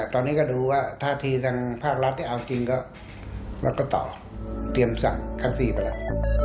ตอนนี้ก็ดูว่าท่าทีทางภาครัฐที่เอาจริงก็มันก็ต่อเตรียมสั่งคัสซี่ไปแล้ว